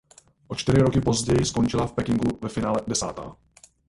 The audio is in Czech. O čtyři roky později skončila v Pekingu ve finále desátá.